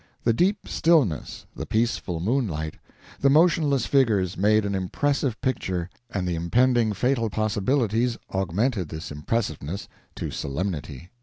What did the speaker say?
The deep stillness, the peaceful moonlight, the motionless figures, made an impressive picture and the impending fatal possibilities augmented this impressiveness to solemnity.